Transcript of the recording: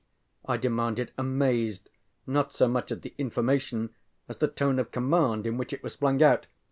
ŌĆØ I demanded, amazed, not so much at the information as the tone of command in which it was flung out.